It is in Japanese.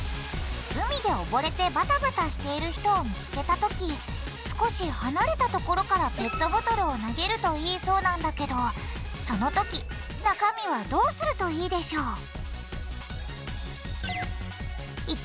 海でおぼれてバタバタしている人を見つけた時少し離れた所からペットボトルを投げるといいそうなんだけどその時中身はどうするといいでしょう？